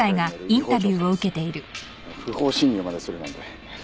不法侵入までするなんて。